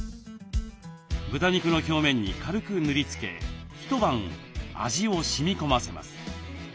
豚肉の表面に軽く塗りつけ一晩味をしみこませます。